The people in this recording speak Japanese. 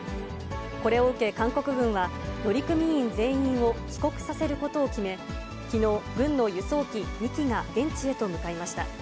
これを受け、韓国軍は乗組員全員を帰国させることを決め、きのう、軍の輸送機２機が現地へと向かいました。